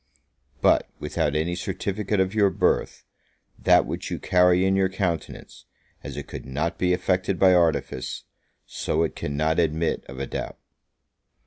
But, without any other certificate of your birth, that which you carry in your countenance, as it could not be affected by artifice, so it cannot admit of a doubt.